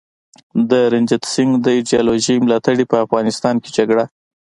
د رنجیت سینګ د ایډیالوژۍ ملاتړي په افغانستان کي جګړه